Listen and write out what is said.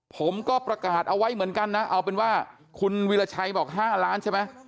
ผมก็ประกาศเอาไว้เหมือนกันนะเอาเป็นว่าคุณวิราชัยบอก๕ล้านใช่ไหม